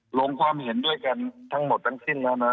ลงความเห็นด้วยกันทั้งหมดทั้งสิ้นแล้วนะ